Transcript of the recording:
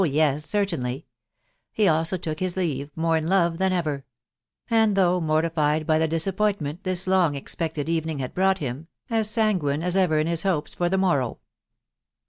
yes, certainly," he also took Mi leave, more in love than ever ; and though mortified bf the disappointment this long expected evening had brought Hn% as sanguine as ever in his hopes for the morrow'.